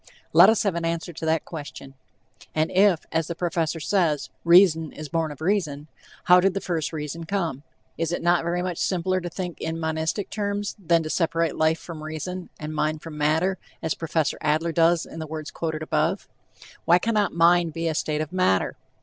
Let us have an answer to that question. And if, as the professor says, "reason is born of reason," how did the first reason come? Is it not very much simpler to think in monistic terms, than to separate life from reason, and mind from matter, as Prof. Adler does in the words quoted above? Why cannot mind be a state of matter?